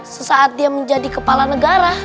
sesaat dia menjadi kepala negara